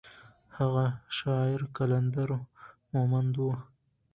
هغه شاعر قلندر مومند و.